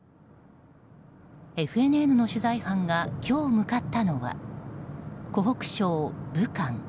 ＦＮＮの取材班が今日向かったのは湖北省武漢。